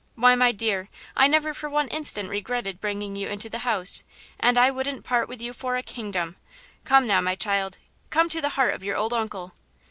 Why, my dear, I never for one instant regretted bringing you to the house, and I wouldn't part with you for a kingdom. Come, now my child; come to the heart of your old uncle."